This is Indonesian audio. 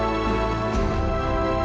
aku harus ke belakang